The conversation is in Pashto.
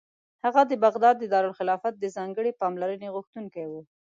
هغه د بغداد د دارالخلافت د ځانګړې پاملرنې غوښتونکی و.